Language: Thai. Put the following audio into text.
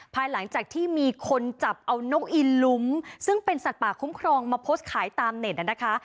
ภายหลังจากที่มีคนจับเอานกอินลุ้มซึ่งเป็นสัตว์ป่าคุ้มครองมาโพสต์ขายตามเน็ตนะคะ